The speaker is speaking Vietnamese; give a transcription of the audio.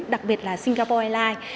đặc biệt là singapore airlines